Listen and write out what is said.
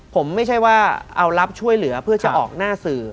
ผมไม่ใช่ว่าเอารับช่วยเหลือเพื่อจะออกหน้าสื่อ